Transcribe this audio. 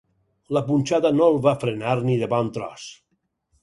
La punxada no el va frenar ni de bon tros.